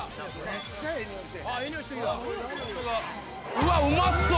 うわうまそう！